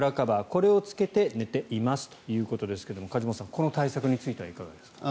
これをつけて寝ていますということですけども梶本さん、この対策についてはいかがですか？